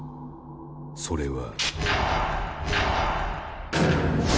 それは。